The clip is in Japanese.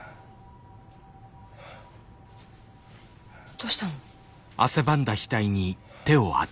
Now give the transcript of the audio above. どうしたの？